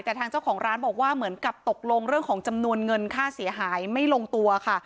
แต่ทางเจ้าของร้านบอกว่าเหมือนกับตกลงเรื่องของจำนวนเงินค่าเสียหายไม่ลงตัวค่ะ